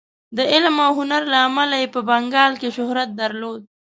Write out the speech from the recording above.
د علم او هنر له امله یې په بنګال کې شهرت درلود.